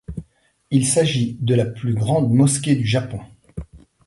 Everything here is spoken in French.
Il s'agit de la plus grande mosquée du Japon.